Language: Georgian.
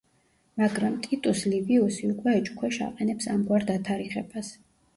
მაგრამ ტიტუს ლივიუსი უკვე ეჭქვეშ აყენებს ამგვარ დათარიღებას.